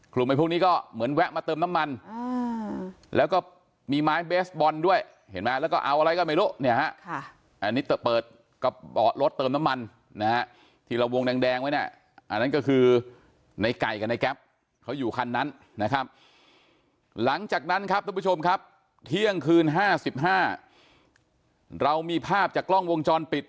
ไอ้พวกนี้ก็เหมือนแวะมาเติมน้ำมันแล้วก็มีไม้เบสบอลด้วยเห็นไหมแล้วก็เอาอะไรก็ไม่รู้เนี่ยฮะอันนี้เปิดกระเป๋ารถเติมน้ำมันนะฮะที่เราวงแดงไว้เนี่ยอันนั้นก็คือในไก่กับในแก๊ปเขาอยู่คันนั้นนะครับหลังจากนั้นครับทุกผู้ชมครับเที่ยงคืน๕๕เรามีภาพจากกล้องวงจรปิด